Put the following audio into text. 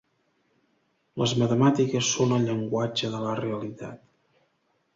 Les matemàtiques són el llenguatge de la realitat.